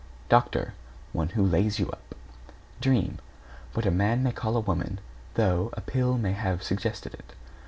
=DOCTOR= One who lays you up. =DREAM= What a man may call a woman, though a Pill may have suggested it.